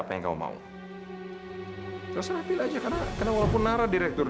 ya kalau begitu